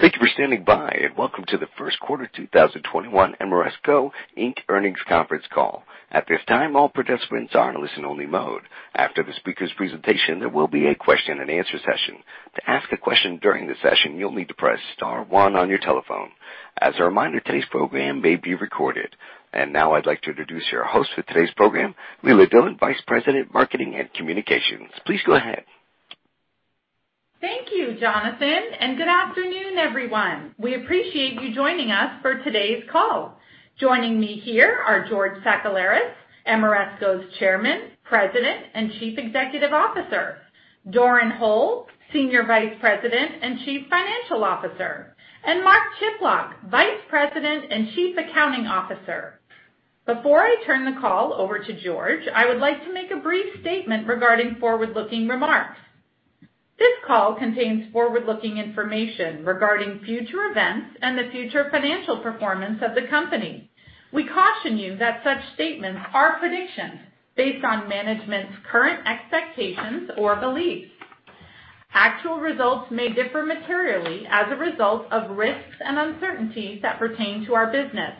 Thank you for standing by, and welcome to the Q1 2021 Ameresco, Inc. earnings conference call. Now I'd like to introduce your host for today's program, Leila Dillon, Vice President, Marketing and Communications. Please go ahead. Thank you, Jonathan, and good afternoon, everyone. We appreciate you joining us for today's call. Joining me here are George Sakellaris, Ameresco's Chairman, President, and Chief Executive Officer. Doran Hole, Senior Vice President and Chief Financial Officer, and Mark Chiplock, Vice President and Chief Accounting Officer. Before I turn the call over to George, I would like to make a brief statement regarding forward-looking remarks. This call contains forward-looking information regarding future events and the future financial performance of the company. We caution you that such statements are predictions based on management's current expectations or beliefs. Actual results may differ materially as a result of risks and uncertainties that pertain to our business.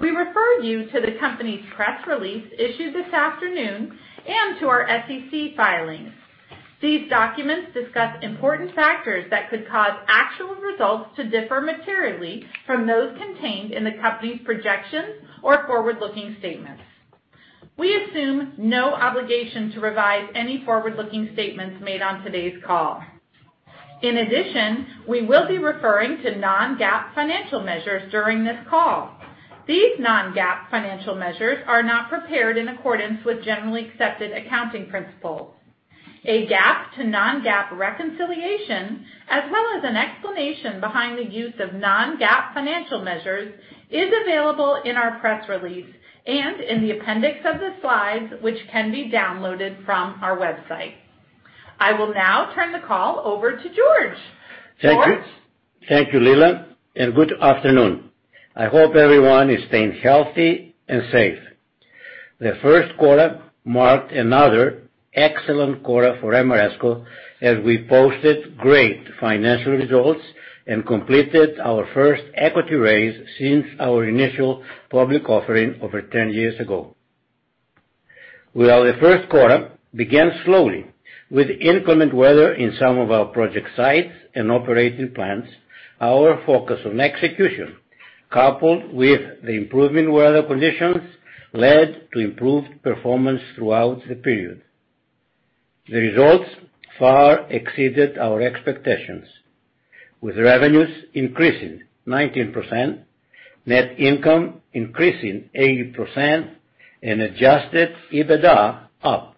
We refer you to the company's press release issued this afternoon and to our SEC filings. These documents discuss important factors that could cause actual results to differ materially from those contained in the company's projections or forward-looking statements. We assume no obligation to revise any forward-looking statements made on today's call. In addition, we will be referring to non-GAAP financial measures during this call. These non-GAAP financial measures are not prepared in accordance with generally accepted accounting principles. A GAAP to non-GAAP reconciliation, as well as an explanation behind the use of non-GAAP financial measures, is available in our press release and in the appendix of the slides, which can be downloaded from our website. I will now turn the call over to George. George? Thank you, Leila, good afternoon. I hope everyone is staying healthy and safe. The Q1 marked another excellent quarter for Ameresco as we posted great financial results and completed our first equity raise since our initial public offering over 10 years ago. While the Q1 began slowly with inclement weather in some of our project sites and operating plants, our focus on execution, coupled with the improvement in weather conditions, led to improved performance throughout the period. The results far exceeded our expectations, with revenues increasing 19%, net income increasing 80%, and adjusted EBITDA up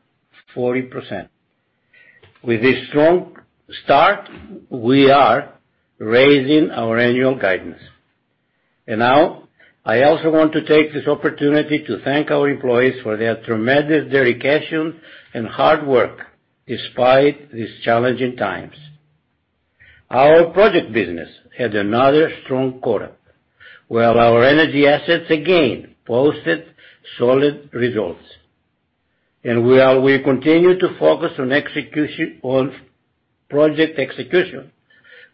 40%. With this strong start, we are raising our annual guidance. Now, I also want to take this opportunity to thank our employees for their tremendous dedication and hard work despite these challenging times. Our project business had another strong quarter, while our energy assets again posted solid results. While we continue to focus on project execution,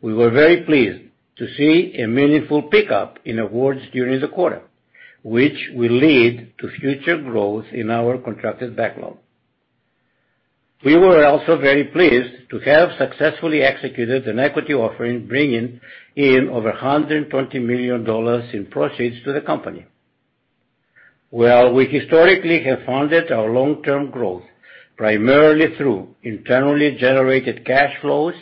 we were very pleased to see a meaningful pickup in awards during the quarter, which will lead to future growth in our contracted backlog. We were also very pleased to have successfully executed an equity offering, bringing in over $120 million in proceeds to the company. While we historically have funded our long-term growth primarily through internally generated cash flows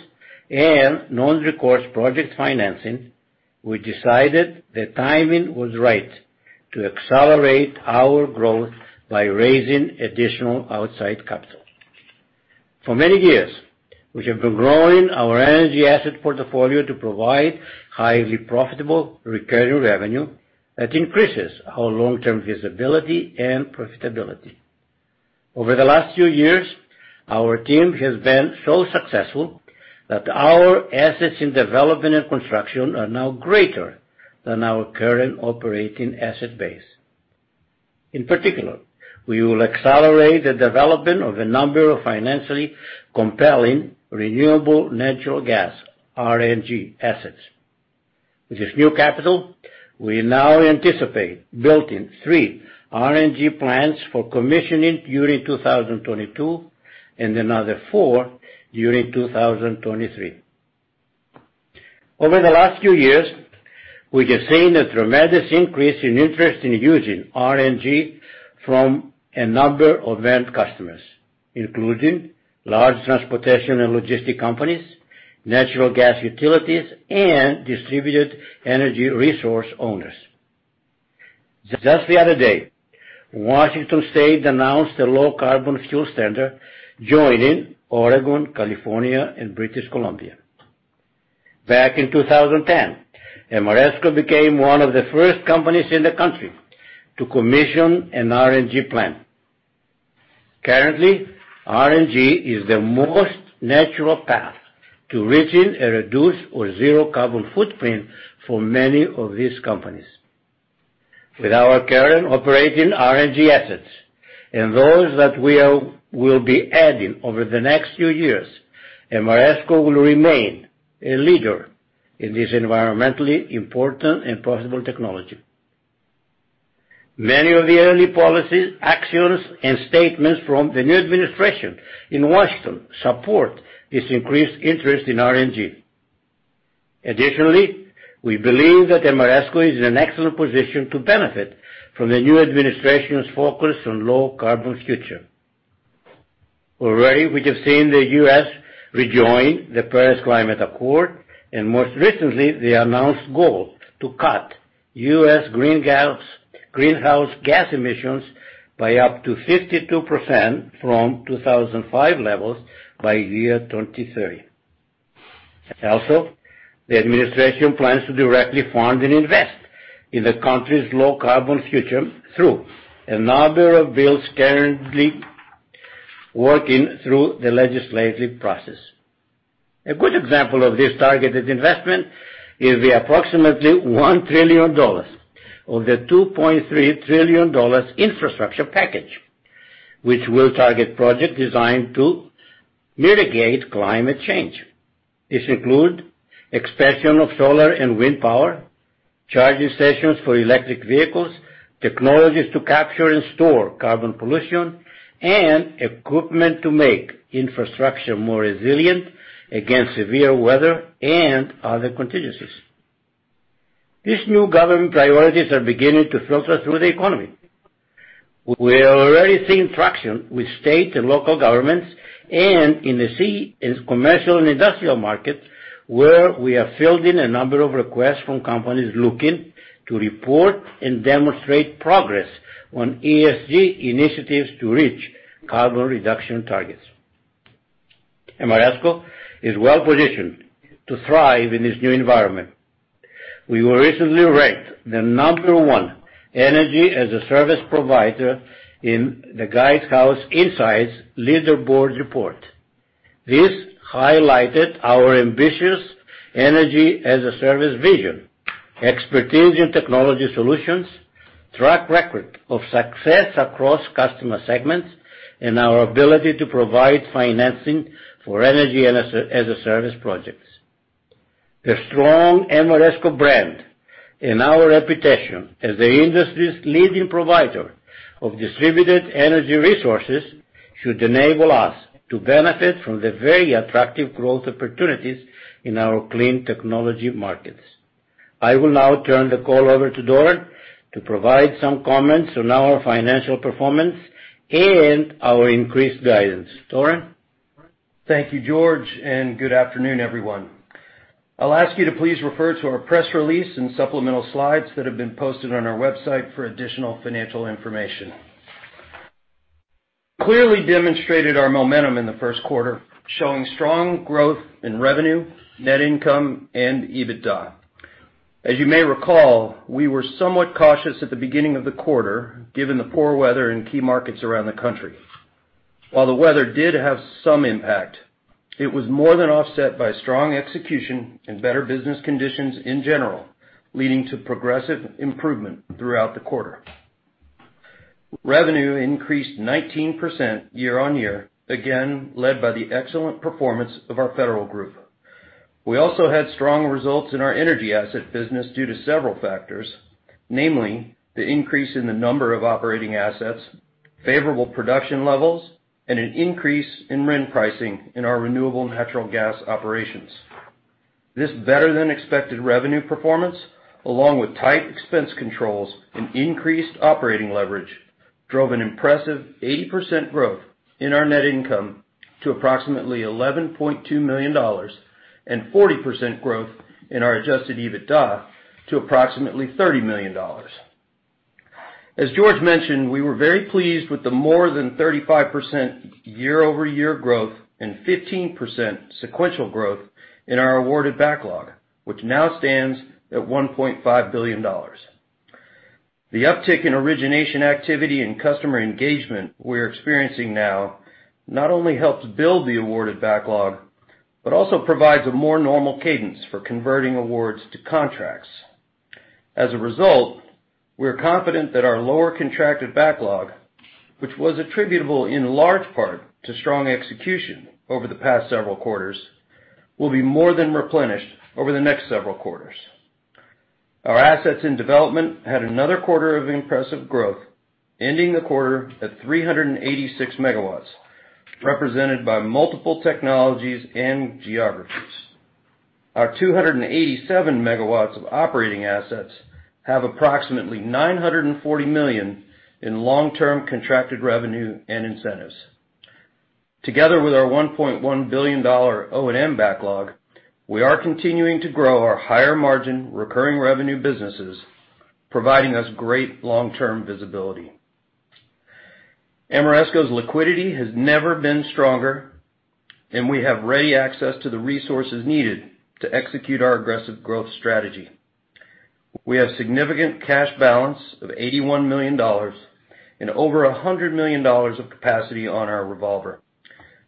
and non-recourse project financing, we decided the timing was right to accelerate our growth by raising additional outside capital. For many years, we have been growing our energy asset portfolio to provide highly profitable recurring revenue that increases our long-term visibility and profitability. Over the last few years, our team has been so successful that our assets in development and construction are now greater than our current operating asset base. In particular, we will accelerate the development of a number of financially compelling renewable natural gas, RNG assets. With this new capital, we now anticipate building three RNG plants for commissioning during 2022 and another four during 2023. Over the last few years, we have seen a tremendous increase in interest in using RNG from a number of end customers, including large transportation and logistic companies, natural gas utilities, and distributed energy resource owners. Just the other day, Washington State announced a low-carbon fuel standard joining Oregon, California, and British Columbia. Back in 2010, Ameresco became one of the first companies in the country to commission an RNG plant. Currently, RNG is the most natural path to reaching a reduced or zero carbon footprint for many of these companies. With our current operating RNG assets and those that we will be adding over the next few years, Ameresco will remain a leader in this environmentally important and profitable technology. Many of the early policies, actions, and statements from the new administration in Washington support this increased interest in RNG. Additionally, we believe that Ameresco is in an excellent position to benefit from the new administration's focus on low-carbon future. Already, we have seen the U.S. rejoin the Paris Agreement, and most recently, the announced goal to cut U.S. greenhouse gas emissions by up to 52% from 2005 levels by year 2030. The administration plans to directly fund and invest in the country's low-carbon future through a number of bills currently working through the legislative process. A good example of this targeted investment is the approximately $1 trillion of the $2.3 trillion infrastructure package, which will target projects designed to mitigate climate change. This includes expansion of solar and wind power, charging stations for electric vehicles, technologies to capture and store carbon pollution, and equipment to make infrastructure more resilient against severe weather and other contingencies. We are already seeing traction with state and local governments and in the C&I, as commercial and industrial markets, where we have filled in a number of requests from companies looking to report and demonstrate progress on ESG initiatives to reach carbon reduction targets. Ameresco is well-positioned to thrive in this new environment. We were recently ranked the number one energy as a service provider in the Guidehouse Insights Leaderboard report. This highlighted our ambitious energy as a service vision, expertise in technology solutions, track record of success across customer segments, and our ability to provide financing for energy as a service projects. The strong Ameresco brand and our reputation as the industry's leading provider of distributed energy resources should enable us to benefit from the very attractive growth opportunities in our clean technology markets. I will now turn the call over to Doran to provide some comments on our financial performance and our increased guidance. Doran? Thank you, George. Good afternoon, everyone. I'll ask you to please refer to our press release and supplemental slides that have been posted on our website for additional financial information. We clearly demonstrated our momentum in the first quarter, showing strong growth in revenue, net income, and EBITDA. As you may recall, we were somewhat cautious at the beginning of the quarter given the poor weather in key markets around the country. While the weather did have some impact, it was more than offset by strong execution and better business conditions in general, leading to progressive improvement throughout the quarter. Revenue increased 19% year-on-year, again, led by the excellent performance of our Federal group. We also had strong results in our energy asset business due to several factors, namely, the increase in the number of operating assets, favorable production levels, and an increase in RIN pricing in our renewable natural gas operations. This better-than-expected revenue performance, along with tight expense controls and increased operating leverage, drove an impressive 80% growth in our net income to approximately $11.2 million and 40% growth in our adjusted EBITDA to approximately $30 million. As George mentioned, we were very pleased with the more than 35% year-over-year growth and 15% sequential growth in our awarded backlog, which now stands at $1.5 billion. The uptick in origination activity and customer engagement we're experiencing now not only helps build the awarded backlog, but also provides a more normal cadence for converting awards to contracts. We are confident that our lower contracted backlog, which was attributable in large part to strong execution over the past several quarters, will be more than replenished over the next several quarters. Our assets in development had another quarter of impressive growth, ending the quarter at 386 megawatts, represented by multiple technologies and geographies. Our 287 megawatts of operating assets have approximately $940 million in long-term contracted revenue and incentives. Together with our $1.1 billion O&M backlog, we are continuing to grow our higher-margin recurring revenue businesses, providing us great long-term visibility. Ameresco's liquidity has never been stronger, and we have ready access to the resources needed to execute our aggressive growth strategy. We have significant cash balance of $81 million and over $100 million of capacity on our revolver.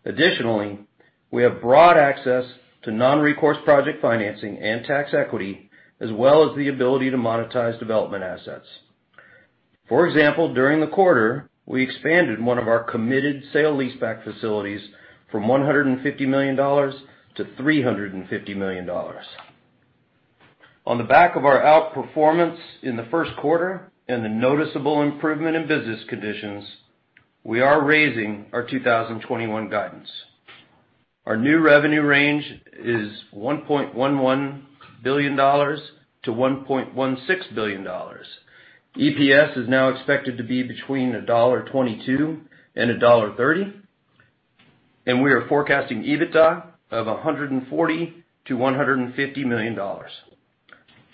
We have broad access to non-recourse project financing and tax equity, as well as the ability to monetize development assets. For example, during the quarter, we expanded one of our committed sale leaseback facilities from $150 million to $350 million. On the back of our outperformance in the first quarter and the noticeable improvement in business conditions, we are raising our 2021 guidance. Our new revenue range is $1.11 billion-$1.16 billion. EPS is now expected to be between $1.22 and $1.30, and we are forecasting EBITDA of $140 million-$150 million.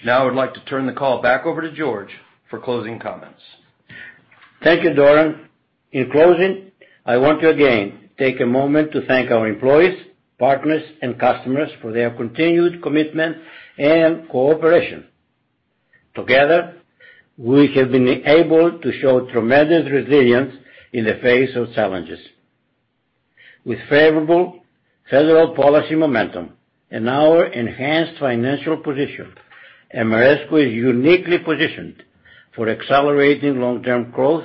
I would like to turn the call back over to George for closing comments. Thank you, Doran. In closing, I want to again take a moment to thank our employees, partners, and customers for their continued commitment and cooperation. Together, we have been able to show tremendous resilience in the face of challenges. With favorable federal policy momentum and our enhanced financial position, Ameresco is uniquely positioned for accelerating long-term growth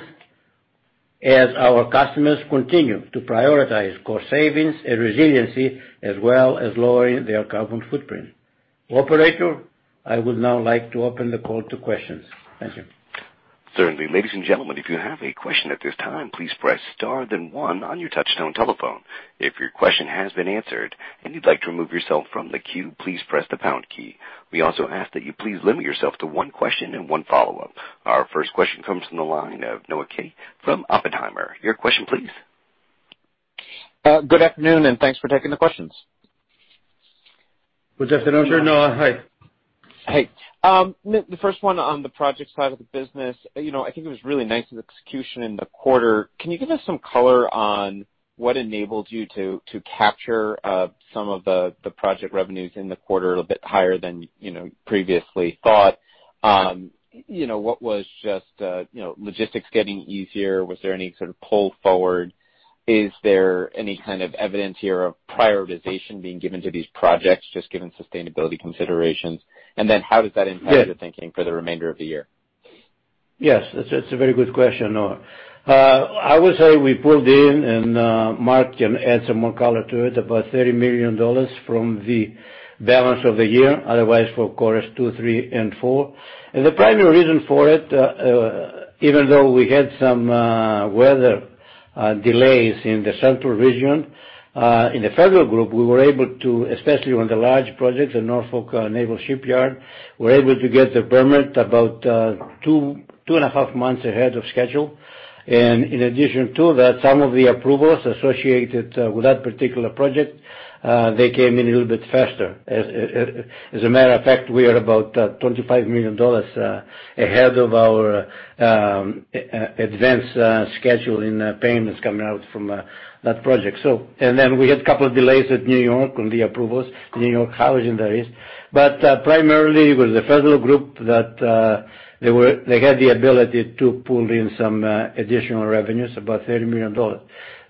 as our customers continue to prioritize cost savings and resiliency, as well as lowering their carbon footprint. Operator, I would now like to open the call to questions. Thank you. Certainly. Ladies and gentlemen, if you have a question at this time, please press star then one on your touchtone telephone. If your question has been answered and you'd like to remove yourself from the queue, please press the pound key. We also ask that you please limit yourself to one question and one follow-up. Our first question comes from the line of Noah Kaye from Oppenheimer. Your question please. Good afternoon. Thanks for taking the questions. Good afternoon, sir Noah. Hi. Hey. The first one on the project side of the business. I think it was really nice, the execution in the quarter. Can you give us some color on what enabled you to capture some of the project revenues in the quarter, a little bit higher than previously thought? What was just logistics getting easier? Was there any sort of pull forward? Is there any kind of evidence here of prioritization being given to these projects, just given sustainability considerations? Yes your thinking for the remainder of the year? Yes. That's a very good question, Noah. I would say we pulled in, and Mark can add some more color to it, about $30 million from the balance of the year. Otherwise, for Q2, Q3, and Q4. The primary reason for it, even though we had some weather delays in the central region, in the federal group, we were able to, especially on the large projects, the Norfolk Naval Shipyard, were able to get the permit about two and a half months ahead of schedule. In addition to that, some of the approvals associated with that particular project, they came in a little bit faster. As a matter of fact, we are about $25 million ahead of our advanced schedule in payments coming out from that project. Then we had a couple of delays at New York on the approvals, New York housing, that is. Primarily, it was the Federal Group that they had the ability to pull in some additional revenues, about $30 million.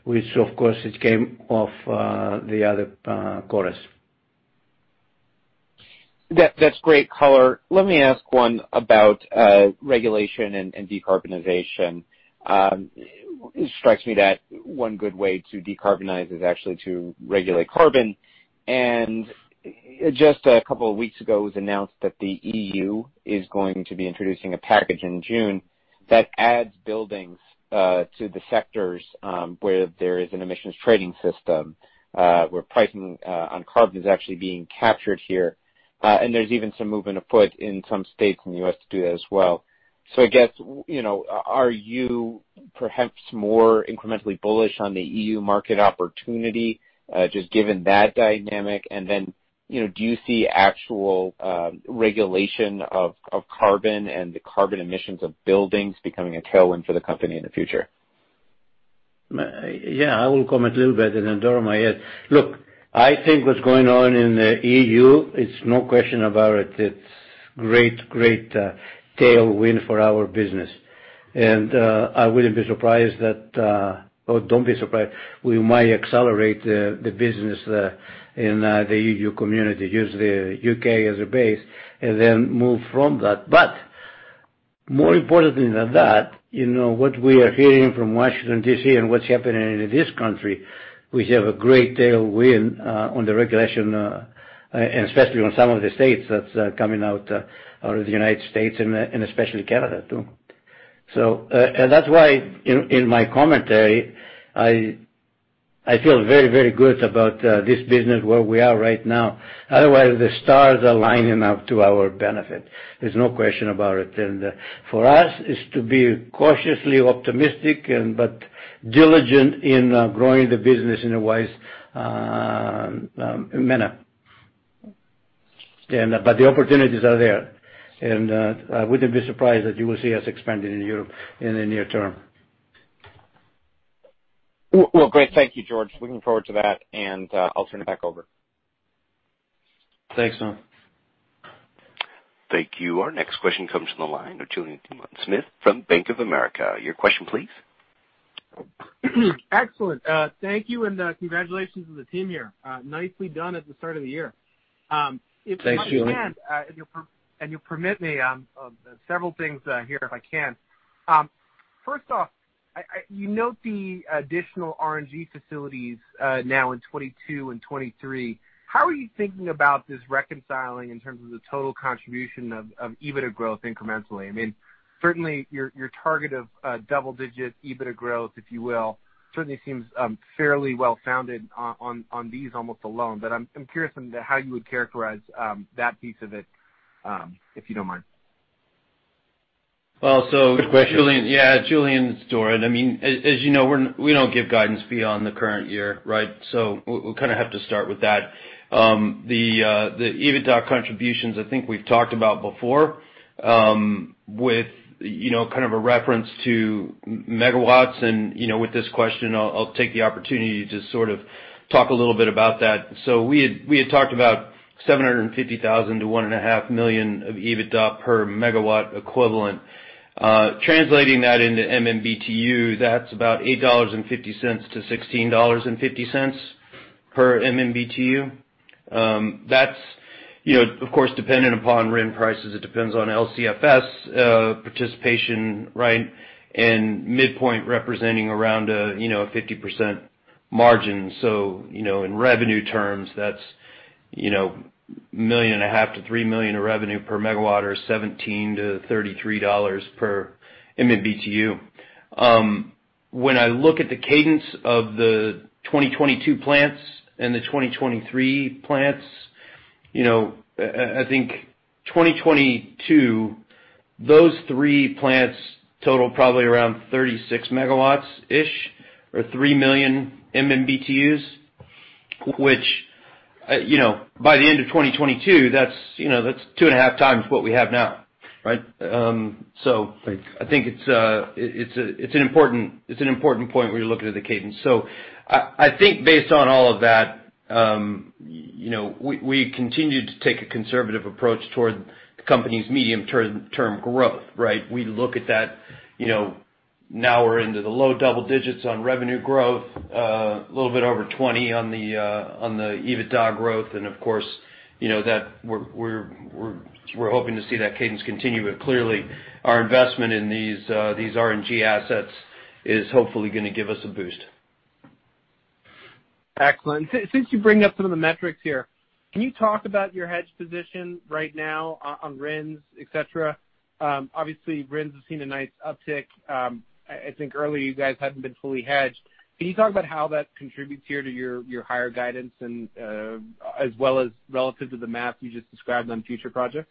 Which of course, it came off the other quarters. That's great color. Let me ask one about regulation and decarbonization. It strikes me that one good way to decarbonize is actually to regulate carbon. Just a couple of weeks ago, it was announced that the EU is going to be introducing a package in June that adds buildings to the sectors where there is an emissions trading system, where pricing on carbon is actually being captured here. There's even some movement afoot in some states in the U.S. to do that as well. I guess, are you perhaps more incrementally bullish on the EU market opportunity, just given that dynamic? Then, do you see actual regulation of carbon and the carbon emissions of buildings becoming a tailwind for the company in the future? Yeah. I will comment a little bit and then Doran might add. Look, I think what's going on in the EU, it's no question about it's great tailwind for our business. I wouldn't be surprised that, or don't be surprised, we might accelerate the business in the EU community, use the U.K. as a base and then move from that. More importantly than that, what we are hearing from Washington, D.C. and what's happening in this country, we have a great tailwind on the regulation, and especially on some of the states that's coming out of the United States and especially Canada, too. That's why, in my commentary, I feel very, very good about this business, where we are right now. Otherwise, the stars are lining up to our benefit. There's no question about it. For us, it's to be cautiously optimistic but diligent in growing the business in a wise manner. The opportunities are there. I wouldn't be surprised that you will see us expanding in Europe in the near term. Well, great. Thank you, George. Looking forward to that. I'll turn it back over. Thanks, Tom. Thank you. Our next question comes from the line of Julien Dumoulin-Smith from Bank of America. Your question, please? Excellent. Thank you. Congratulations to the team here. Nicely done at the start of the year. Thanks, Julien. If I can, and you permit me, several things here, if I can. First off, you note the additional RNG facilities now in 2022 and 2023. How are you thinking about this reconciling in terms of the total contribution of EBITDA growth incrementally? Certainly, your target of double-digit EBITDA growth, if you will, certainly seems fairly well-founded on these almost alone. I'm curious on how you would characterize that piece of it, if you don't mind. Well, so- Good question. Julien. Yeah, Julien, it's Doran. As you know, we don't give guidance beyond the current year, right? We'll have to start with that. The EBITDA contributions, I think we've talked about before with a reference to megawatts and with this question, I'll take the opportunity to talk a little bit about that. We had talked about 750,000 - $1.5 million of EBITDA per megawatt equivalent. Translating that into MMBtu, that's about $8.50 - $16.50 per MMBtu. That's of course dependent upon RIN prices. It depends on LCFS participation, right? Midpoint representing around a 50% margin. In revenue terms, that's $1.5 million - $3 million of revenue per megawatt or $17 - $33 per MMBtu. When I look at the cadence of the 2022 plants and the 2023 plants, I think 2022, those three plants total probably around 36 megawatts-ish or 3 million MMBtu, which by the end of 2022, that's two and a half times what we have now. Right? I think it's an important point when you're looking at the cadence. I think based on all of that, we continue to take a conservative approach toward the company's medium-term growth, right? We look at that. Now we're into the low double digits on revenue growth, a little bit over 20% on the EBITDA growth, and of course, we're hoping to see that cadence continue. Clearly our investment in these RNG assets is hopefully going to give us a boost. Excellent. Since you bring up some of the metrics here, can you talk about your hedge position right now on RINs, et cetera? Obviously, RINs has seen a nice uptick. I think earlier you guys hadn't been fully hedged. Can you talk about how that contributes here to your higher guidance and as well as relative to the math you just described on future projects?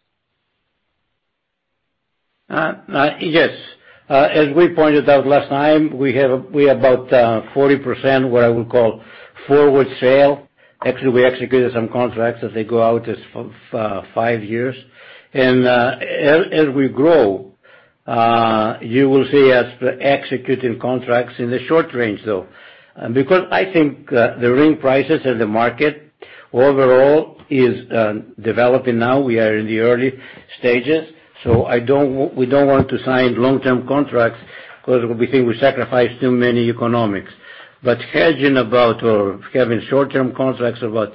Yes. As we pointed out last time, we have about 40% what I would call forward sale. Actually, we executed some contracts as they go out as five years. As we grow, you will see us executing contracts in the short range, though. I think the RIN prices and the market overall is developing now. We are in the early stages, we don't want to sign long-term contracts because we think we sacrifice too many economics. Hedging about or having short-term contracts about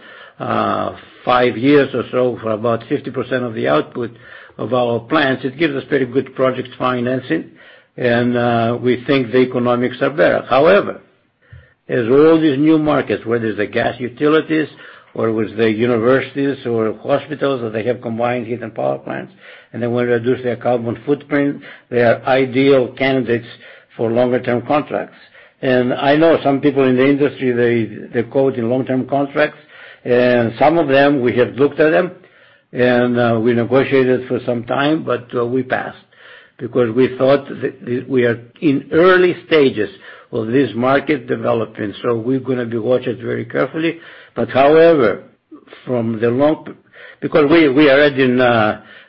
five years or so for about 50% of the output of our plants, it gives us very good project financing, and we think the economics are better. However, as all these new markets, whether it's the gas utilities or with the universities or hospitals where they have combined heat and power plants, and they want to reduce their carbon footprint, they are ideal candidates for longer-term contracts. I know some people in the industry, they're quoting long-term contracts. Some of them, we have looked at them, and we negotiated for some time, but we passed because we thought that we are in early stages of this market development. We're going to be watching very carefully. However, because we are adding,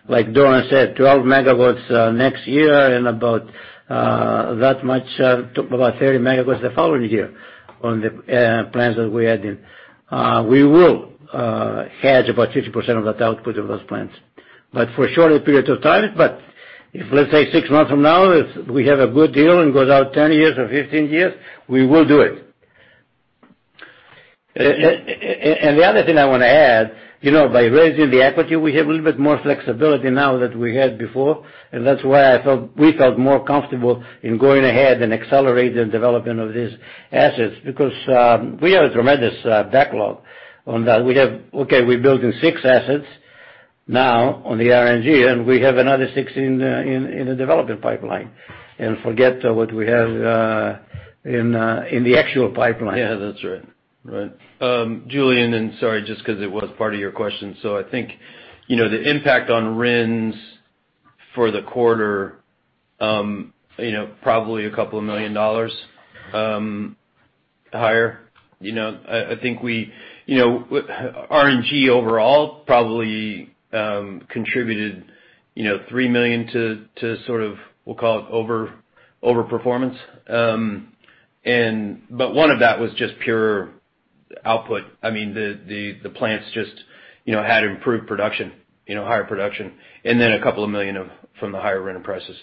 like Doran said, 12 megawatts next year and about that much, about 30 megawatts the following year on the plants that we add in. We will hedge about 50% of that output of those plants. For a shorter period of time, but if, let's say six months from now, if we have a good deal and goes out 10 years or 15 years, we will do it. The other thing I want to add, by raising the equity, we have a little bit more flexibility now than we had before, and that's why we felt more comfortable in going ahead and accelerating the development of these assets because we have a tremendous backlog on that. Okay, we're building six assets now on the RNG, and we have another six in the development pipeline. Forget what we have in the actual pipeline. Yeah, that's right. Right. Julien, sorry, just because it was part of your question. I think the impact on RINs for the quarter probably a couple of million dollars higher. RNG overall probably contributed $3 million to sort of, we'll call it overperformance. One of that was just pure output. I mean, the plants just had improved production, higher production, and then a couple of million dollars from the higher RIN prices.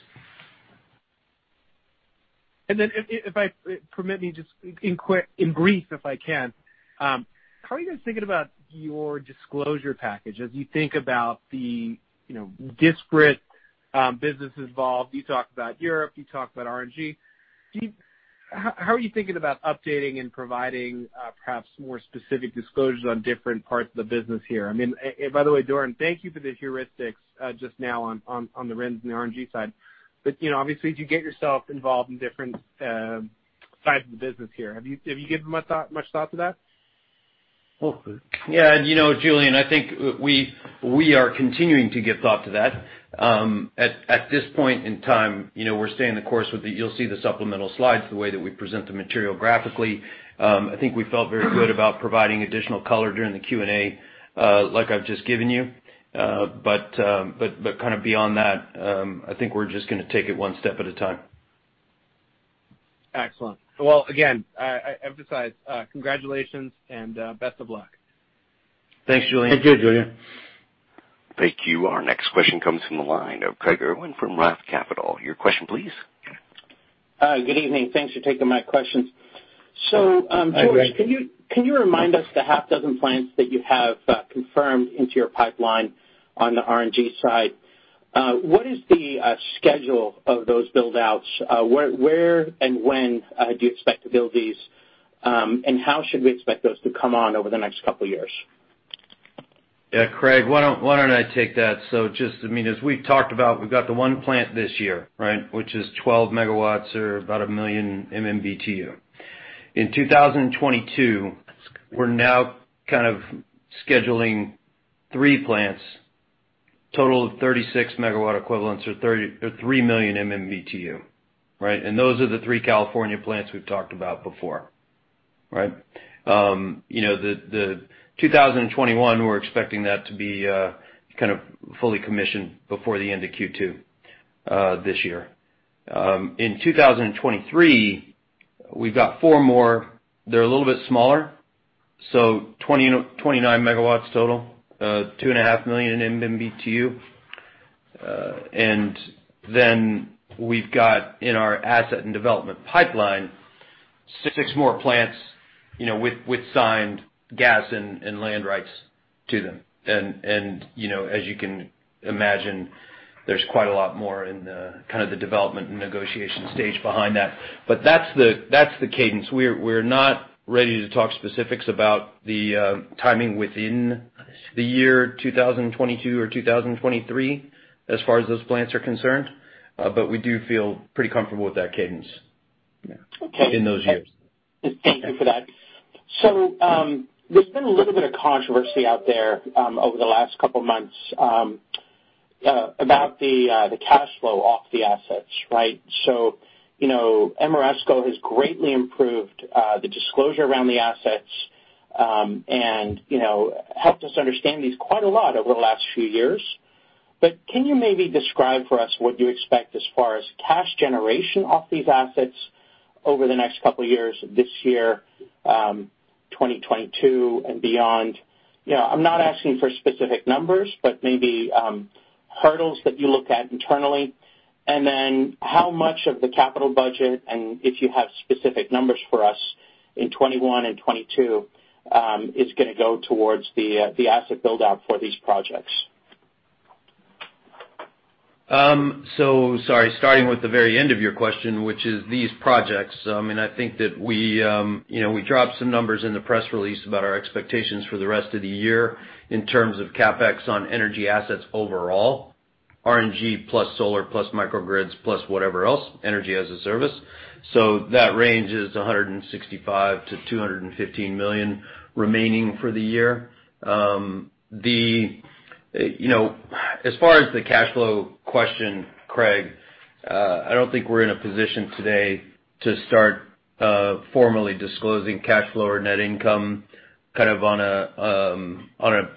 Permit me just in brief, if I can. How are you guys thinking about your disclosure package as you think about the disparate businesses involved? You talked about Europe, you talked about RNG. How are you thinking about updating and providing perhaps more specific disclosures on different parts of the business here? By the way, Doran, thank you for the heuristics just now on the RINs and the RNG side. Obviously, as you get yourself involved in different sides of the business here, have you given much thought to that? Yeah. Julien, I think we are continuing to give thought to that. At this point in time, we're staying the course with the you'll see the supplemental slides, the way that we present the material graphically. I think we felt very good about providing additional color during the Q&A, like I've just given you. Kind of beyond that, I think we're just going to take it one step at a time. Excellent. Well, again, I emphasize, congratulations and best of luck. Thanks, Julien. Thank you, Julien. Thank you. Our next question comes from the line of Craig Irwin from Roth Capital. Your question, please. Hi. Good evening. Thanks for taking my questions. Hi, Craig. George, can you remind us the half dozen plants that you have confirmed into your pipeline on the RNG side? What is the schedule of those build-outs? Where and when do you expect to build these? How should we expect those to come on over the next couple of years? Yeah, Craig, why don't I take that? Just as we've talked about, we've got the one plant this year, right, which is 12 megawatts or about 1 million MMBtu. In 2022, we're now kind of scheduling three plants, total of 36 megawatt equivalents or 3 million MMBtu. Right. And those are the three California plants we've talked about before. Right. 2021, we're expecting that to be kind of fully commissioned before the end of Q2 this year. In 2023, we've got four more. They're a little bit smaller, 29 megawatts total, 2.5 million MMBtu. And then we've got in our asset and development pipeline, six more plants with signed gas and land rights to them. And as you can imagine, there's quite a lot more in the kind of the development and negotiation stage behind that. But that's the cadence. We're not ready to talk specifics about the timing within the year 2022 or 2023 as far as those plants are concerned. We do feel pretty comfortable with that cadence in those years. Thank you for that. There's been a little bit of controversy out there over the last couple of months about the cash flow off the assets, right? Ameresco has greatly improved the disclosure around the assets, and helped us understand these quite a lot over the last few years. Can you maybe describe for us what you expect as far as cash generation off these assets over the next couple of years, this year, 2022 and beyond? I'm not asking for specific numbers, but maybe hurdles that you look at internally, and then how much of the capital budget, and if you have specific numbers for us in 2021 and 2022, is going to go towards the asset build-out for these projects. sorry, starting with the very end of your question, which is these projects. I think that we dropped some numbers in the press release about our expectations for the rest of the year in terms of CapEx on energy assets overall, RNG plus solar plus microgrids, plus whatever else, energy as a service. That range is $165 million-$215 million remaining for the year. As far as the cash flow question, Craig, I don't think we're in a position today to start formally disclosing cash flow or net income kind of on a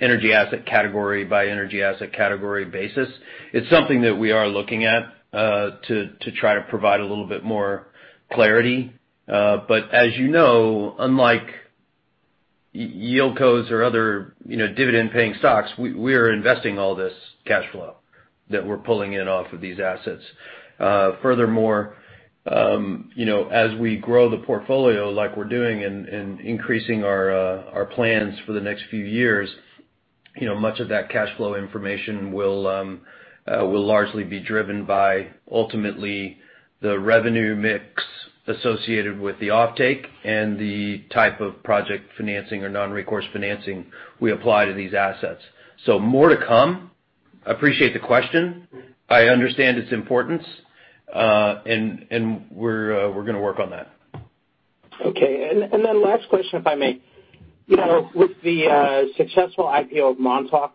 energy asset category by energy asset category basis. It's something that we are looking at to try to provide a little bit more clarity. As you know, unlike yieldcos or other dividend-paying stocks, we are investing all this cash flow that we're pulling in off of these assets. As we grow the portfolio like we're doing and increasing our plans for the next few years, much of that cash flow information will largely be driven by ultimately the revenue mix associated with the offtake and the type of project financing or non-recourse financing we apply to these assets. More to come. Appreciate the question. I understand its importance. We're going to work on that. Okay. Last question, if I may. With the successful IPO of Montauk,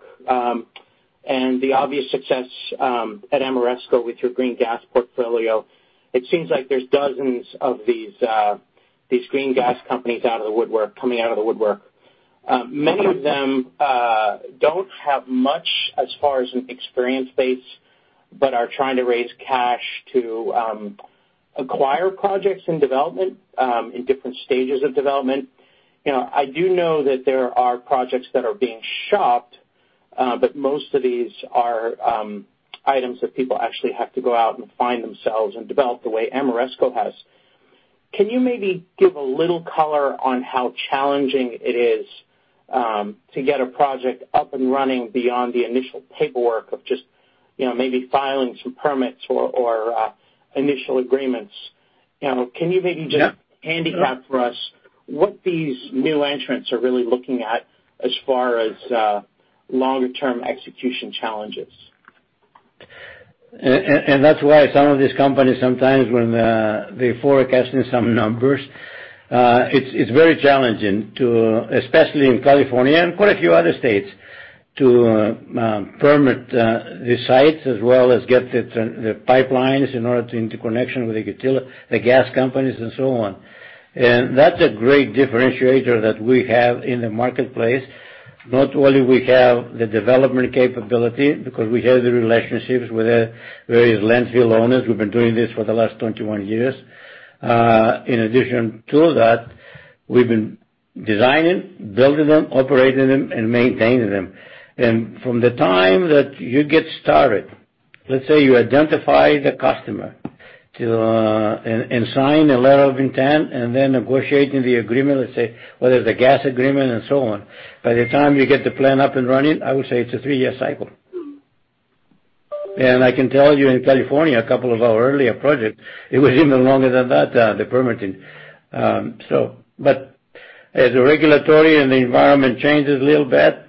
and the obvious success at Ameresco with your green gas portfolio, it seems like there's dozens of these green gas companies out of the woodwork. Many of them don't have much as far as an experience base, but are trying to raise cash to acquire projects in different stages of development. I do know that there are projects that are being shopped, but most of these are items that people actually have to go out and find themselves and develop the way Ameresco has. Can you maybe give a little color on how challenging it is to get a project up and running beyond the initial paperwork of just maybe filing some permits or initial agreements? Yeah Handicap for us what these new entrants are really looking at as far as longer-term execution challenges? That's why some of these companies sometimes, when they're forecasting some numbers, it's very challenging, especially in California and quite a few other states, to permit the sites as well as get the pipelines in order to interconnection with the gas companies and so on. That's a great differentiator that we have in the marketplace. Not only we have the development capability because we have the relationships with the various landfill owners, we've been doing this for the last 21 years. In addition to that, we've been designing, building them, operating them, and maintaining them. From the time that you get started, let's say you identify the customer and sign a letter of intent, and then negotiating the agreement, let's say, whether it's a gas agreement and so on, by the time you get the plan up and running, I would say it's a three-year cycle. I can tell you in California, a couple of our earlier projects, it was even longer than that, the permitting. As the regulatory and the environment changes a little bit,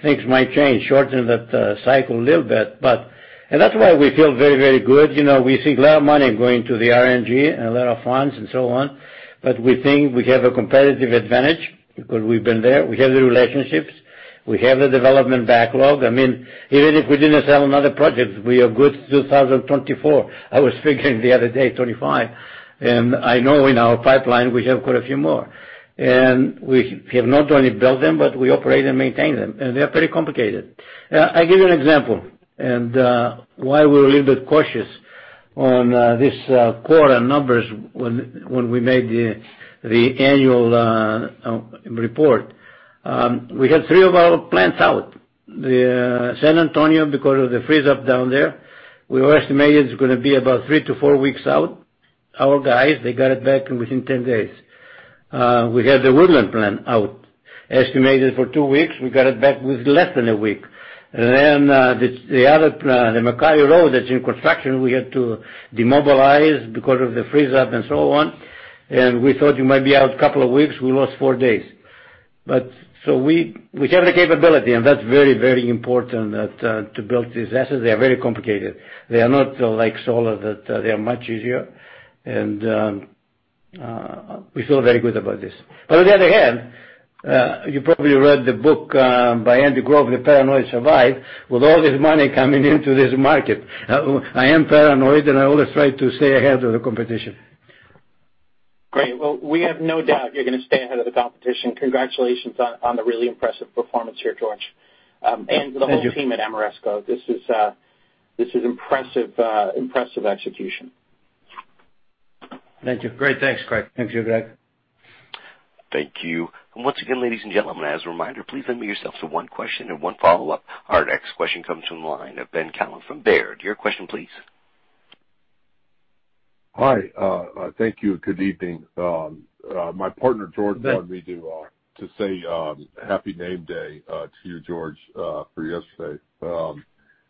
things might change, shorten that cycle a little bit. That's why we feel very, very good. We see a lot of money going to the RNG and a lot of funds and so on, but we think we have a competitive advantage because we've been there. We have the relationships, we have the development backlog. Even if we didn't sell another project, we are good till 2024. I was figuring the other day, 2025. I know in our pipeline, we have quite a few more. We have not only built them, but we operate and maintain them, and they are pretty complicated. I give you an example and why we're a little bit cautious on this quarter numbers when we made the annual report. We had three of our plants out. The San Antonio, because of the freeze up down there, we were estimated it's going to be about three - four weeks out. Our guys, they got it back within 10 days. We had the Woodland plant out, estimated for two weeks. We got it back with less than a week. The other plant, the Mackay Road, that's in construction, we had to demobilize because of the freeze up and so on, and we thought it might be out a couple of weeks. We lost four days. We have the capability, and that's very, very important to build these assets. They are very complicated. They are not like solar, that they are much easier. We feel very good about this. On the other hand, you probably read the book by Andy Grove, "The Paranoid Survive". With all this money coming into this market, I am paranoid, and I always try to stay ahead of the competition. Great. Well, we have no doubt you're going to stay ahead of the competition. Congratulations on the really impressive performance here, George. Thank you. The whole team at Ameresco. This is impressive execution. Thank you. Great. Thanks, Craig. Thank you, Craig. Thank you. Once again, ladies and gentlemen, as a reminder, please limit yourself to one question and one follow-up. Our next question comes from the line of Ben Kallo from Baird. Your question, please. Hi. Thank you. Good evening. My partner, George, wanted me to say happy name day to you, George, for yesterday.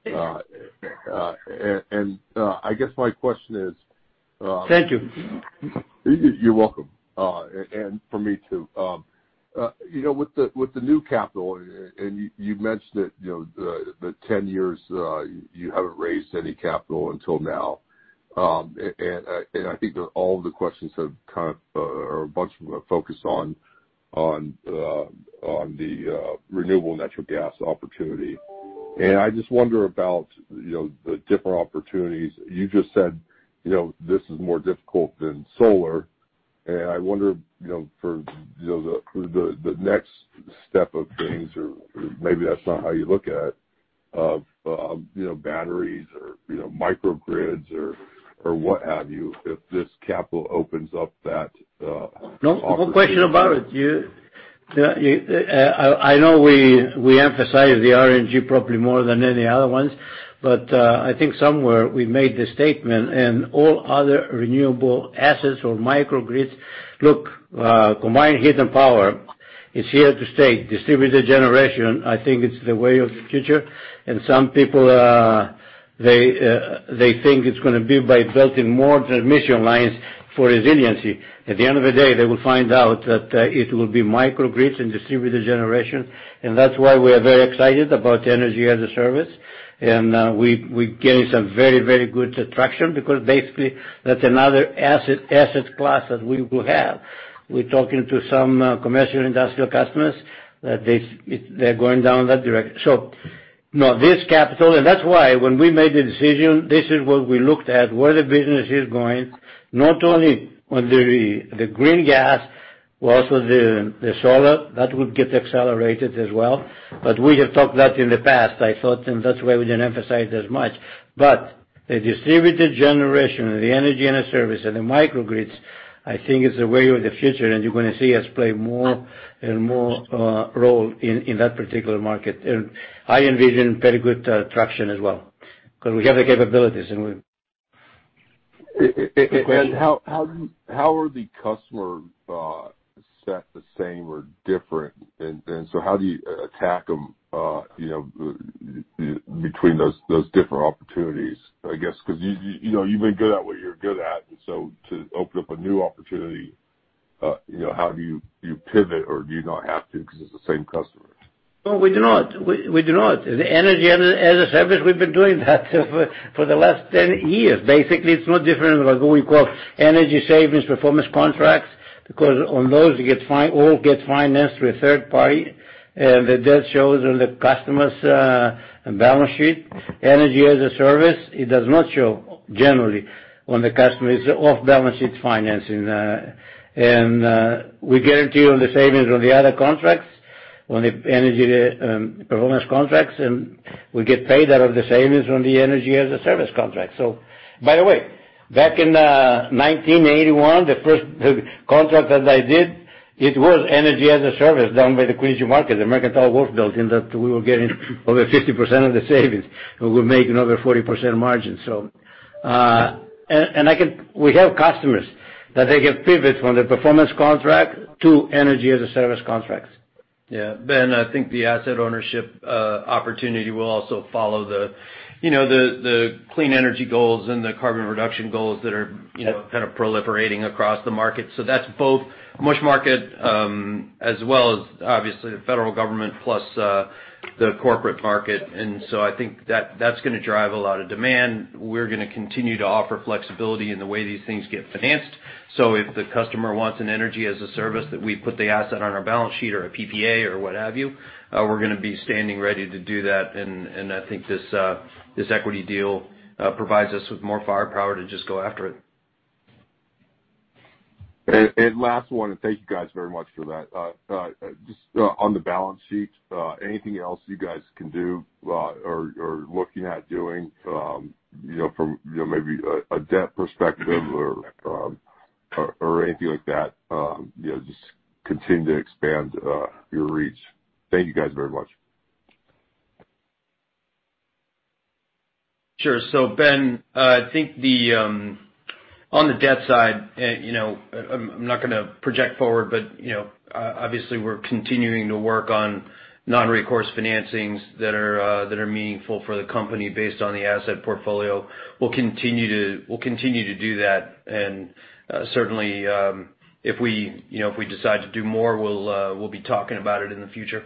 Thank you. And I guess my question is- Thank you. You're welcome. For me, too. With the new capital, you mentioned it, the 10 years you haven't raised any capital until now. I think that all the questions have kind of, or a bunch of them are focused on the renewable natural gas opportunity. I just wonder about the different opportunities. You just said this is more difficult than solar. I wonder for the next step of things, or maybe that's not how you look at it, of batteries or microgrids or what have you, if this capital opens up that opportunity. No question about it. I know we emphasize the RNG probably more than any other ones, but I think somewhere we made the statement and all other renewable assets or microgrids. Look, combined heat and power is here to stay. Distributed generation, I think it's the way of the future. Some people, they think it's going to be by building more transmission lines for resiliency. At the end of the day, they will find out that it will be microgrids and distributed generation, and that's why we are very excited about energy as a service. We're getting some very, very good traction because basically that's another asset class that we will have. We're talking to some commercial industrial customers that they're going down that direction. No, this capital. That's why when we made the decision, this is what we looked at, where the business is going, not only on the green gas, but also the solar, that would get accelerated as well. We have talked that in the past, I thought, and that's why we didn't emphasize as much. The distributed generation, the energy as a service, and the microgrids, I think is the way of the future, and you're going to see us play more and more role in that particular market. I envision very good traction as well, because we have the capabilities. How are the customer set the same or different? How do you attack them between those different opportunities? I guess because you've been good at what you're good at, and so to open up a new opportunity, how do you pivot, or do you not have to because it's the same customers? No, we do not. The energy as a service, we've been doing that for the last 10 years. Basically, it's no different than what we call energy savings performance contracts, because on those, all gets financed through a third party, and the debt shows on the customer's balance sheet. Energy as a service, it does not show generally on the customer. It's off-balance sheet financing. We guarantee on the savings on the other contracts, on the energy performance contracts, and we get paid out of the savings on the energy as a service contract. By the way, back in 1981, the first contract that I did, it was energy as a service down by the Quincy Market, American tall wolf building, that we were getting over 50% of the savings, and we're making over 40% margin. We help customers, that they can pivot from the performance contract to energy as a service contracts. Yeah. Ben, I think the asset ownership opportunity will also follow the clean energy goals and the carbon reduction goals that are- Yes kind of proliferating across the market. That's both MUSH market, as well as obviously the federal government plus the corporate market. I think that's going to drive a lot of demand. We're going to continue to offer flexibility in the way these things get financed. If the customer wants an energy as a service that we put the asset on our balance sheet or a PPA or what have you, we're going to be standing ready to do that. I think this equity deal provides us with more firepower to just go after it. Last one, and thank you guys very much for that. Just on the balance sheet, anything else you guys can do or looking at doing from maybe a debt perspective or anything like that, just continue to expand your reach. Thank you guys very much. Sure. Ben, I think on the debt side, I'm not going to project forward, but obviously we're continuing to work on non-recourse financings that are meaningful for the company based on the asset portfolio. We'll continue to do that, and certainly, if we decide to do more, we'll be talking about it in the future.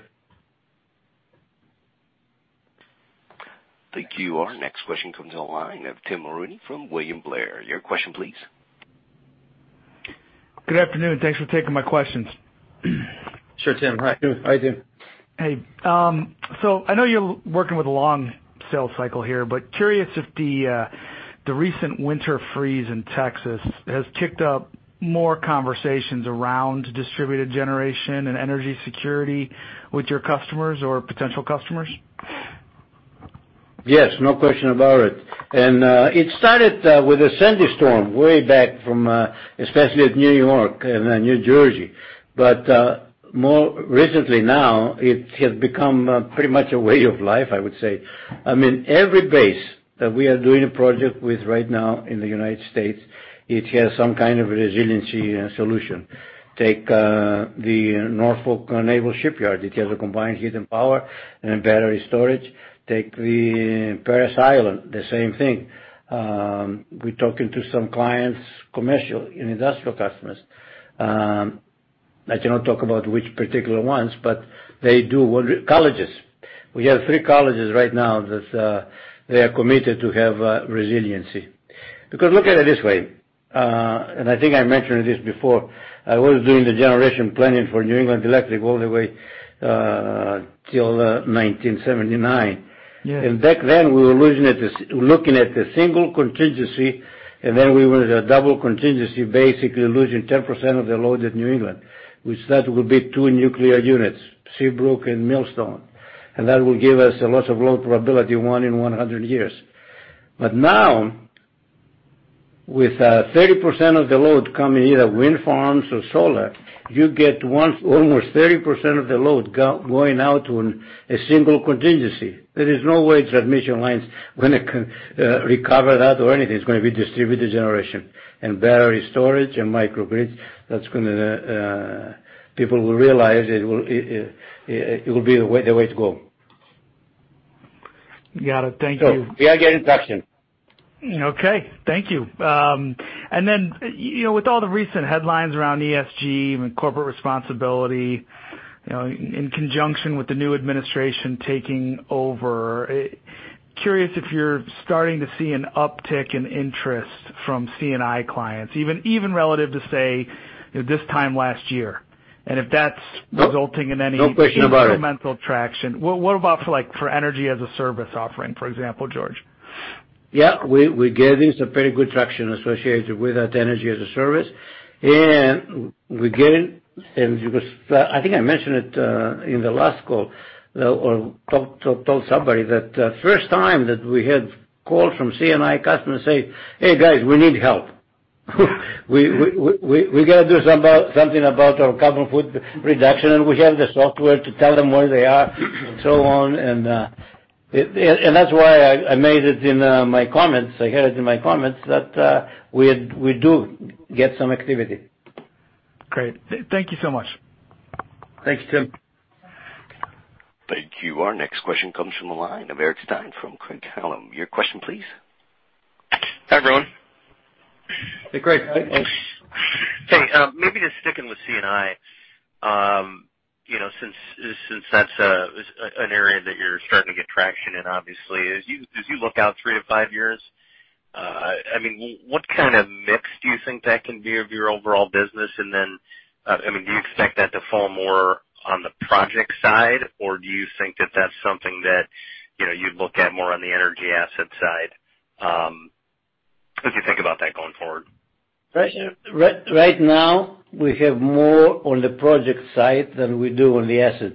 Thank you. Our next question comes on the line of Tim Mulrooney from William Blair. Your question, please. Good afternoon. Thanks for taking my questions. Sure, Tim. Hi. Hi, Tim. Hey. I know you're working with a long sales cycle here, but curious if the recent winter freeze in Texas has kicked up more conversations around distributed generation and energy security with your customers or potential customers? Yes, no question about it. It started with a Hurricane Sandy way back from, especially at New York and New Jersey. More recently now, it has become pretty much a way of life, I would say. Every base that we are doing a project with right now in the U.S., it has some kind of resiliency solution. Take the Norfolk Naval Shipyard, it has a combined heat and power and battery storage. Take the Parris Island, the same thing. We're talking to some clients, commercial and industrial customers. I cannot talk about which particular ones, but they do. Colleges. We have three colleges right now that they are committed to have resiliency. Look at it this way, and I think I mentioned this before, I was doing the generation planning for New England Electric System all the way till 1979. Yes. Back then, we were looking at the single contingency, then we went at a double contingency, basically losing 10% of the load at New England, which that would be two nuclear units, Seabrook and Millstone. That would give us a loss of load probability, one in 100 years. Now, with 30% of the load coming either wind farms or solar, you get almost 30% of the load going out on a single contingency. There is no way transmission lines going to recover that or anything. It's going to be distributed generation and battery storage and microgrids. People will realize it will be the way to go. Got it. Thank you. We are getting traction. Okay. Thank you. With all the recent headlines around ESG and corporate responsibility, in conjunction with the new administration taking over. Curious if you're starting to see an uptick in interest from C&I clients, even relative to, say, this time last year. No question about it. incremental traction. What about for Energy as a Service offering, for example, George? Yeah. We're getting some very good traction associated with that Energy as a Service. I think I mentioned it in the last call or told somebody that first time that we had calls from C&I customers say, "Hey, guys, we need help. We got to do something about our carbon footprint reduction," and we have the software to tell them where they are and so on. That's why I made it in my comments. I had it in my comments that we do get some activity. Great. Thank you so much. Thanks, Tim. Thank you. Our next question comes from the line of Eric Stine from Craig-Hallum. Your question, please. Hi, everyone. Hey, Craig. Hey. Maybe just sticking with C&I, since that's an area that you're starting to get traction in, obviously. As you look out three to five years, what kind of mix do you think that can be of your overall business? Do you expect that to fall more on the project side, or do you think that that's something that you'd look at more on the energy asset side? What do you think about that going forward? Right now, we have more on the project side than we do on the asset.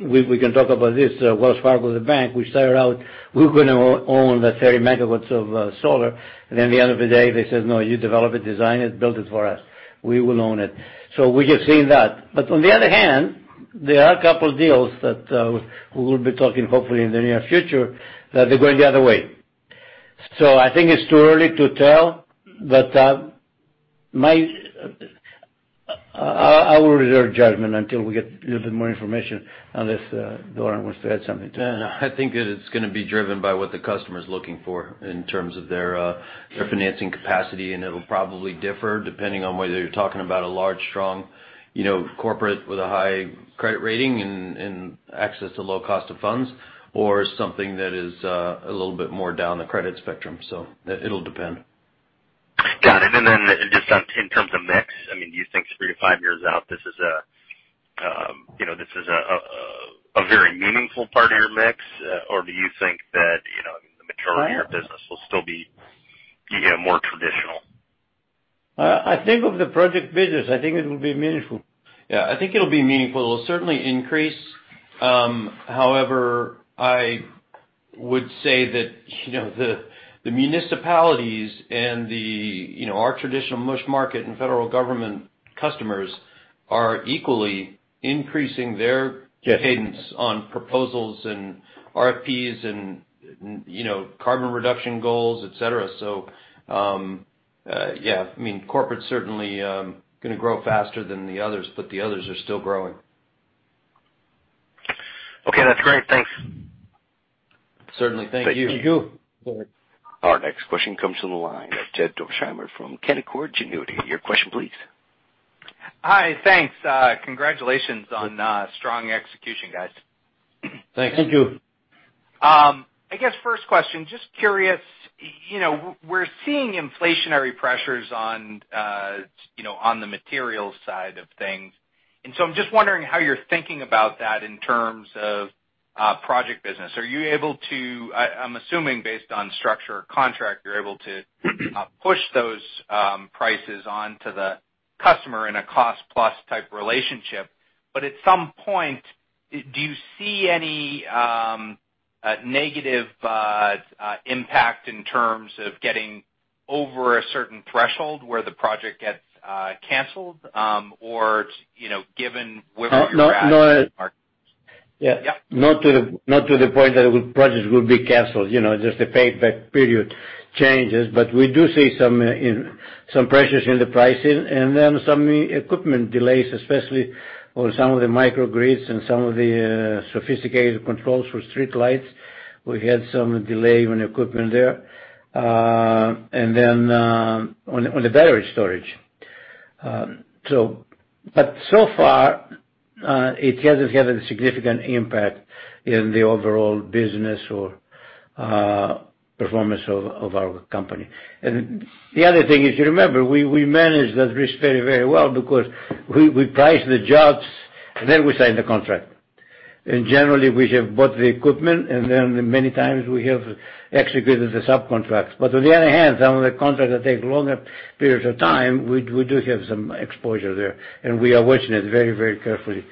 We can talk about this, Wells Fargo, the bank, we started out, we're going to own the 30 megawatts of solar. At the end of the day, they said, "No, you develop it, design it, build it for us. We will own it." We have seen that. On the other hand, there are a couple deals that we will be talking hopefully in the near future that they're going the other way. I think it's too early to tell, but I will reserve judgment until we get a little bit more information, unless Doran wants to add something to that. I think that it's going to be driven by what the customer's looking for in terms of their financing capacity, and it'll probably differ depending on whether you're talking about a large, strong corporate with a high credit rating and access to low cost of funds or something that is a little bit more down the credit spectrum. It'll depend. Got it. Then just in terms of mix, do you think three to five years out, this is a very meaningful part of your mix? Or do you think that the majority of your business will still be more traditional? I think of the project business, I think it will be meaningful. Yeah, I think it'll be meaningful. It'll certainly increase. However, I would say that the municipalities and our traditional MUSH market and federal government customers are equally increasing their cadence on proposals and RFPs and carbon reduction goals, et cetera. Yeah, corporate's certainly going to grow faster than the others, but the others are still growing. Okay, that's great. Thanks. Certainly. Thank you. Thank you. Our next question comes from the line of Jed Dorsheimer from Canaccord Genuity. Your question, please. Hi, thanks. Congratulations on strong execution, guys. Thanks. Thank you. I guess first question, just curious, we're seeing inflationary pressures on the materials side of things. I'm just wondering how you're thinking about that in terms of project business. I'm assuming based on structure or contract, you're able to push those prices onto the customer in a cost-plus type relationship. At some point, do you see any negative impact in terms of getting over a certain threshold where the project gets canceled or given where you're at? No. Yep. Not to the point that projects will be canceled, just the payback period changes. We do see some pressures in the pricing and then some equipment delays, especially on some of the microgrids and some of the sophisticated controls for streetlights. We had some delay on equipment there. On the battery storage. So far, it hasn't had a significant impact in the overall business or performance of our company. The other thing is, remember, we manage that risk very well because we price the jobs, then we sign the contract. Generally, we have bought the equipment, and then many times we have executed the subcontracts. On the other hand, some of the contracts that take longer periods of time, we do have some exposure there, and we are watching it very carefully.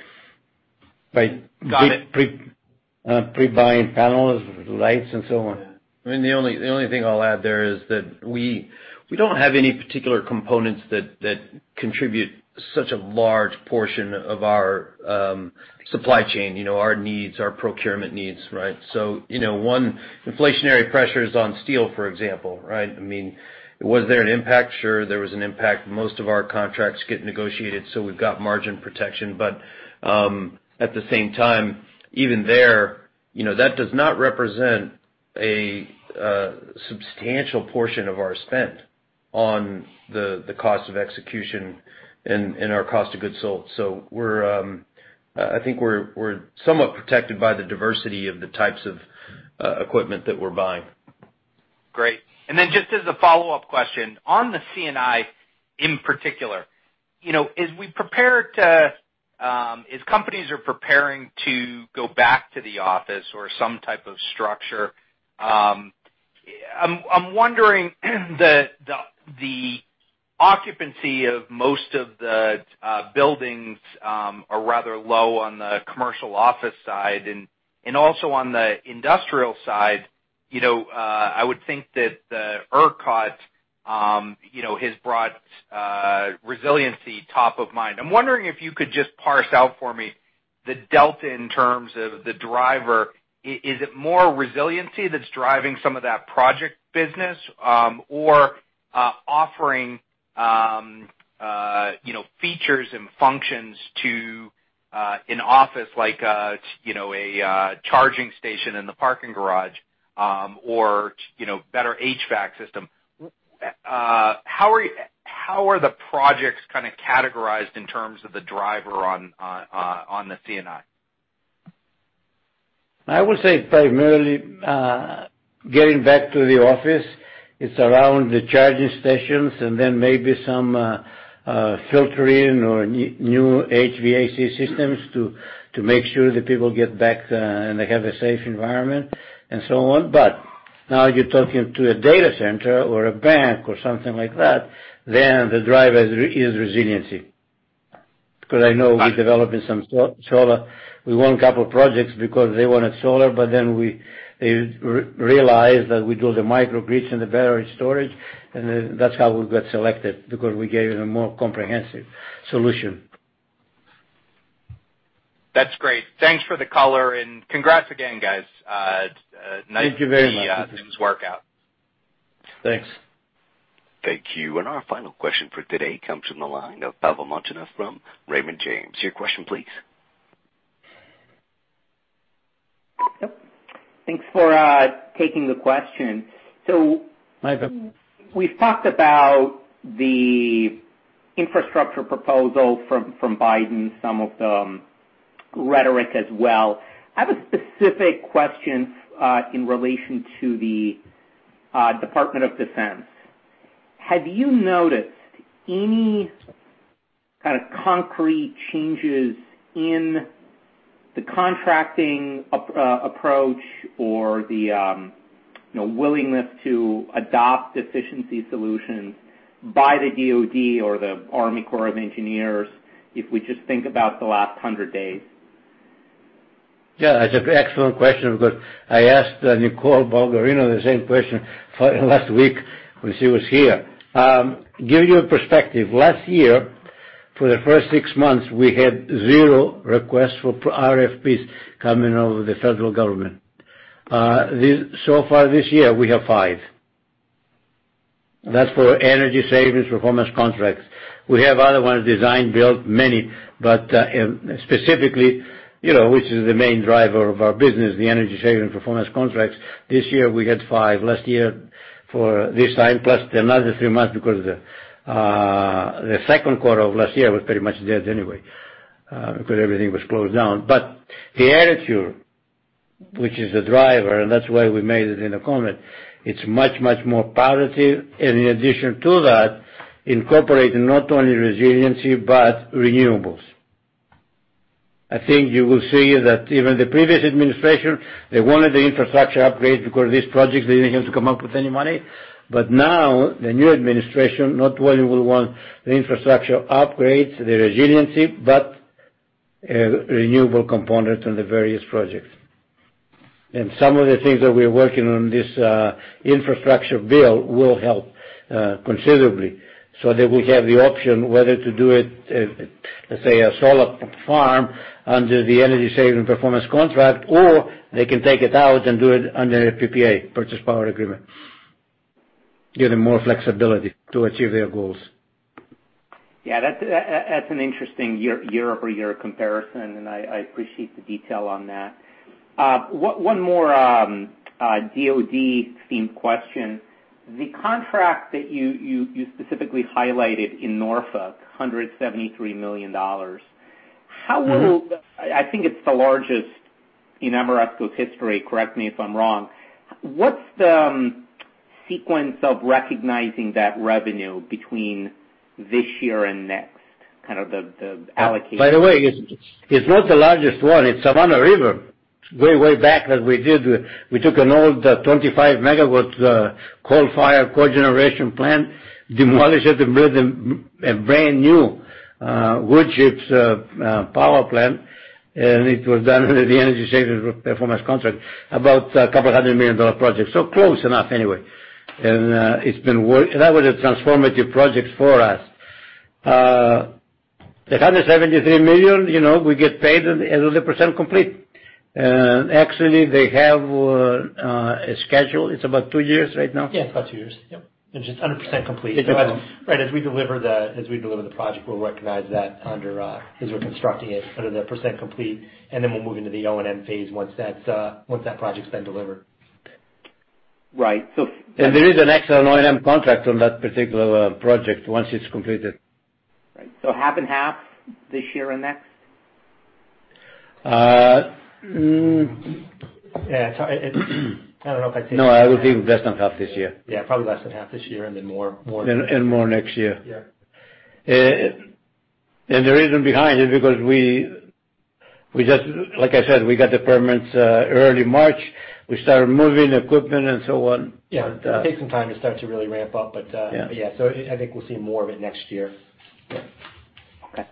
Got it. Pre-buying panels, lights, and so on. The only thing I'll add there is that we don't have any particular components that contribute such a large portion of our supply chain, our needs, our procurement needs, right? One inflationary pressure is on steel, for example, right? Was there an impact? Sure, there was an impact. Most of our contracts get negotiated, so we've got margin protection. At the same time, even there, that does not represent a substantial portion of our spend. On the cost of execution and our cost of goods sold. I think we're somewhat protected by the diversity of the types of equipment that we're buying. Great. Then just as a follow-up question, on the C&I in particular, as companies are preparing to go back to the office or some type of structure, I'm wondering, the occupancy of most of the buildings are rather low on the commercial office side, and also on the industrial side, I would think that the ERCOT has brought resiliency top of mind. I'm wondering if you could just parse out for me the delta in terms of the driver. Is it more resiliency that's driving some of that project business, or offering features and functions to an office like a charging station in the parking garage, or better HVAC system? How are the projects kind of categorized in terms of the driver on the C&I? I would say primarily getting back to the office. It's around the charging stations and then maybe some filtering or new HVAC systems to make sure the people get back and they have a safe environment and so on. Now you're talking to a data center or a bank or something like that, then the driver is resiliency. I know we're developing some solar. We won a couple of projects because they wanted solar, but then they realized that we do the microgrids and the battery storage, and that's how we got selected, because we gave them a more comprehensive solution. That's great. Thanks for the color. Congrats again, guys. Thank you very much. Nice to see things work out. Thanks. Thank you. Our final question for today comes from the line of Pavel Molchanov from Raymond James. Your question please. Yep. Thanks for taking the question. Hi, Pavel. We've talked about the infrastructure proposal from Biden, some of the rhetoric as well. I have a specific question in relation to the Department of Defense. Have you noticed any kind of concrete changes in the contracting approach or the willingness to adopt efficiency solutions by the DoD or the Army Corps of Engineers if we just think about the last 100 days? That's an excellent question because I asked Nicole Bulgarino the same question last week when she was here. Give you a perspective. Last year, for the first six months, we had zero requests for RFPs coming out of the federal government. Far this year, we have five. That's for energy savings performance contracts. We have other ones, design build, many, but specifically, which is the main driver of our business, the energy savings performance contracts, this year we got five. Last year, for this time, plus another three months because the Q2 of last year was pretty much dead anyway, because everything was closed down. The attitude, which is a driver, and that's why we made it in a comment, it's much more positive. In addition to that, incorporating not only resiliency, but renewables. I think you will see that even the previous administration, they wanted the infrastructure upgrade because these projects, they didn't have to come up with any money. Now, the new administration, not only will want the infrastructure upgrades, the resiliency, but renewable components on the various projects. Some of the things that we're working on this infrastructure bill will help considerably so that we have the option whether to do it, let's say, a solar farm under the energy savings performance contract, or they can take it out and do it under a PPA, power purchase agreement. Give them more flexibility to achieve their goals. Yeah, that's an interesting year-over-year comparison, and I appreciate the detail on that. One more DoD-themed question. The contract that you specifically highlighted in Norfolk, $173 million. I think it's the largest in Ameresco's history, correct me if I'm wrong. What's the sequence of recognizing that revenue between this year and next, kind of the allocation? It's not the largest one. It's Savannah River. Way back that we did, we took an old 25 MW coal fire cogeneration plant, demolished it, and built a brand new wood chips power plant, and it was done under the energy savings performance contract. About a couple hundred million dollar project. Close enough anyway. That was a transformative project for us. The $173 million, we get paid as a percent complete. Actually, they have a schedule. It's about two years right now? Yeah, about two years. Yep. It's just under percent complete. As we deliver the project, we'll recognize that as we're constructing it under the percent complete, and then we'll move into the O&M phase once that project's been delivered. Right. There is an external O&M contract on that particular project once it's completed. Right. Half and half this year and next? Yeah. I don't know if I'd say- No, I would think less than half this year. Yeah, probably less than half this year, and then more. More next year. Yeah. The reason behind it is because we just, like I said, we got the permits early March. We started moving equipment and so on. Yeah. It takes some time to start to really ramp up. Yeah. Yeah. I think we'll see more of it next year. Yeah. Okay.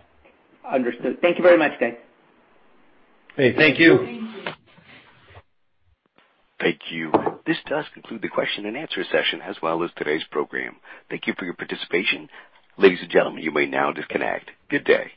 Understood. Thank you very much, guys. Okay, thank you. Thank you. This does conclude the question and answer session, as well as today's program. Thank you for your participation. Ladies and gentlemen, you may now disconnect. Good day.